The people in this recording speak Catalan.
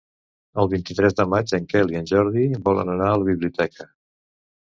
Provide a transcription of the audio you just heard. El vint-i-tres de maig en Quel i en Jordi volen anar a la biblioteca.